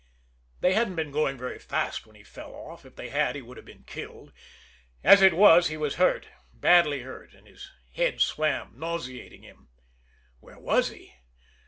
They hadn't been going very fast when he fell off. If they had, he would have been killed. As it was, he was hurt, badly hurt, and his head swam, nauseating him. Where was he?